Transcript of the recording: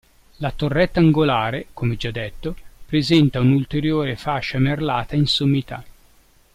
La torretta angolare, come già detto, presenta un'ulteriore fascia merlata in sommità.